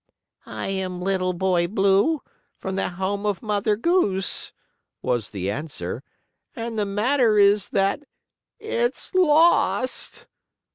"I am Little Boy Blue, from the home of Mother Goose," was the answer, "and the matter is that it's lost!"